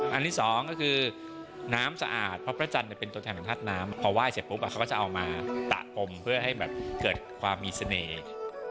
อันที่สองก็คือน้ำสะอาดเพราะพระจันทร์เป็นตัวแทนของธาตุน้ำพอไหว้เสร็จปุ๊บเขาก็จะเอามาปะปมเพื่อให้แบบเกิดความมีเสน่ห์